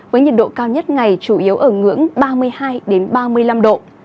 với nhiệt độ cao nhất ngày chủ yếu ở ngưỡng ba mươi hai ba mươi năm độ